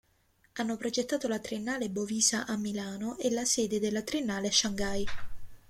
Hanno progettato la Triennale Bovisa a Milano e la sede della Triennale a Shanghai.